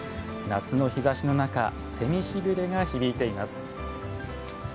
夏の日ざしの中せみ時雨が響いています。